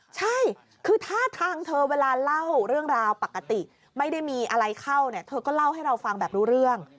ใช่คือท่าทางเธอเวลาเล่าเรื่องราวปกติไม่ได้มีอะไรเข้าเนี่ยเธอก็เล่าให้เราฟังแบบรู้เรื่อง